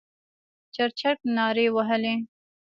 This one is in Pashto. چرچرک نارې وهلې.